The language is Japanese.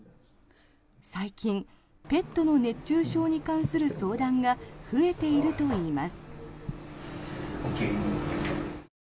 最近、ペットの熱中症に関する相談が増えているといいます。